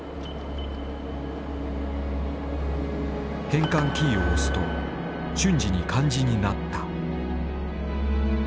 変換キーを押すと瞬時に漢字になった。